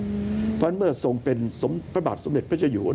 เพราะฉะนั้นเมื่อทรงเป็นพระบาทสมเด็จพระเจ้าอยู่